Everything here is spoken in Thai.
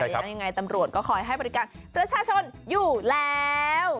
แล้วยังไงตำรวจก็คอยให้บริการประชาชนอยู่แล้ว